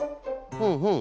ふんふん。